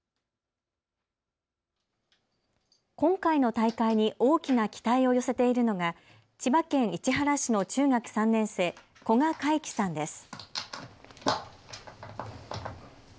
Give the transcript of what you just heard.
今回の大会に大きな期待を寄せているのが千葉県市原市の中学３年生、古賀魁気さんです。